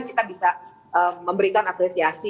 kita bisa memberikan apresiasi